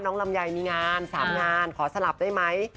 ลำไยมีงาน๓งานขอสลับได้ไหม